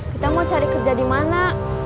kita mau cari kerja di mana